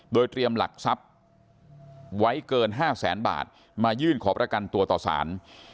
โดยเตรียมหลักทรัพย์ไว้เกิน๕แสนบาทมายื่นขอประกันตัวต่อสาร